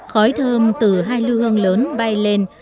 khói thơm từ hai lưu hương lớn bay lên